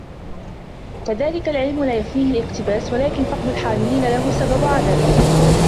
كَذَلِكَ الْعِلْمُ لَا يُفْنِيهِ الِاقْتِبَاسُ ، وَلَكِنَّ فَقْدَ الْحَامِلِينَ لَهُ سَبَبُ عَدَمِهِ